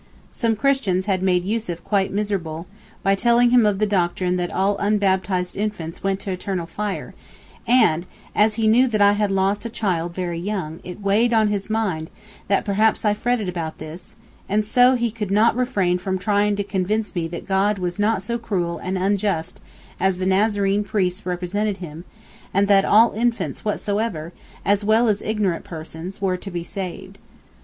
Some Christians had made Yussuf quite miserable, by telling him of the doctrine that all unbaptized infants went to eternal fire; and as he knew that I had lost a child very young, it weighed on his mind that perhaps I fretted about this, and so he said he could not refrain from trying to convince me that God was not so cruel and unjust as the Nazarene priests represented Him, and that all infants whatsoever, as well as all ignorant persons, were to be saved.